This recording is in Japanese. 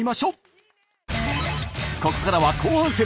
ここからは後半戦。